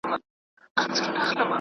آيا د خاوند لپاره د جهاد شرط سته؟